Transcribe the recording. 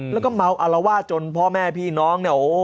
แล้วก็เมาะอารวาสจนมันพ่อแม่พี่น้อง